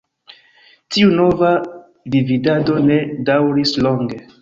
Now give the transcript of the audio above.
Tiu nova dividado ne daŭris longe.